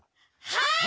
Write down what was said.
はい！